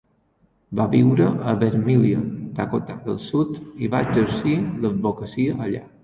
Va viure a Vermillion, Dakota del Sud, i va exercir l'advocacia allà.